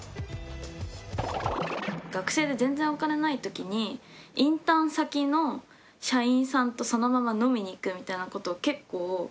学生で全然お金ない時にインターン先の社員さんとそのまま飲みに行くみたいなことを結構やってて。